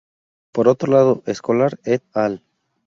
Por otro lado, Escolar et al.